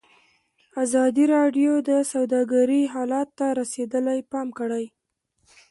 ازادي راډیو د سوداګري حالت ته رسېدلي پام کړی.